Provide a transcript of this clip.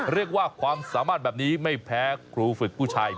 เรียกว่าความสามารถแบบนี้ไม่แพ้ครูฝึกผู้ชาย